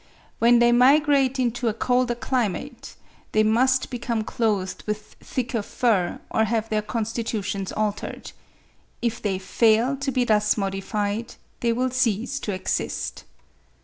When they migrate into a colder climate, they must become clothed with thicker fur, or have their constitutions altered. If they fail to be thus modified, they will cease to exist.